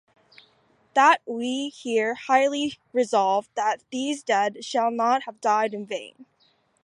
That we here highly resolve that these dead shall not have died in vain.